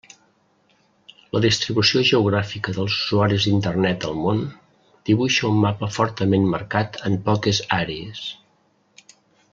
La distribució geogràfica dels usuaris d'Internet al món dibuixa un mapa fortament marcat en poques àrees.